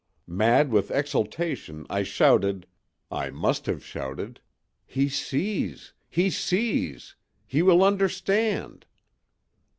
Mad with exultation I shouted—I must have shouted, "He sees, he sees: he will understand!"